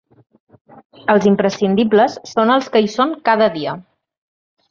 Els imprescindibles són els qui hi són cada dia!